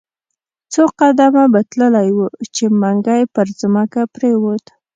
څو قدمه به تللی وو، چې منګی پر مځکه پریووت.